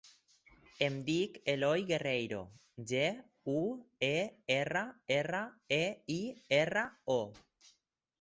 Em dic Eloy Guerreiro: ge, u, e, erra, erra, e, i, erra, o.